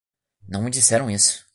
Não me disseram isso.